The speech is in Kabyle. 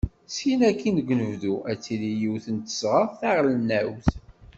Syin akin deg unebdu, ad tili yiwet n tesɣert taɣelnawt.